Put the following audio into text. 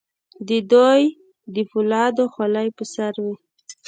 د دوی د فولادو خولۍ په سر وې.